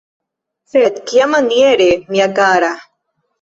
Sed kiamaniere, mia kara?